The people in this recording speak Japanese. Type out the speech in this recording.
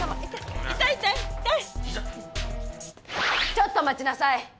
ちょっと待ちなさい！